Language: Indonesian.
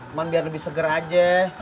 cuman biar lebih seger aja